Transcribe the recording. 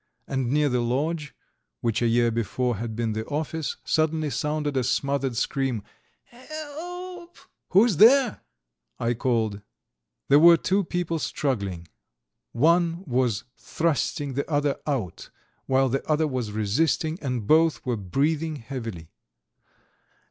And near the lodge, which a year before had been the office, suddenly sounded a smothered scream: "He e elp!" "Who's there?" I called. There were two people struggling. One was thrusting the other out, while the other was resisting, and both were breathing heavily.